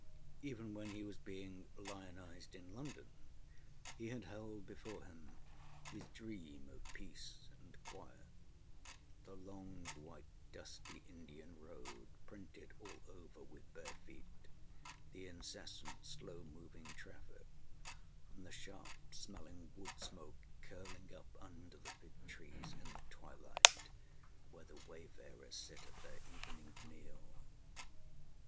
Even when he was being lionised in London he had held before him his dream of peace and quiet the long, white, dusty Indian road, printed all over with bare feet, the incessant, slow moving traffic, and the sharp smelling wood smoke curling up under the fig trees in the twilight, where the wayfarers sit at their evening meal.